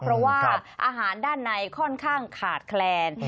เพราะว่าอาหารด้านในค่อนข้างขาดแคลน